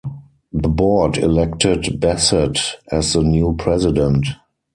The board elected Bassett as the new president.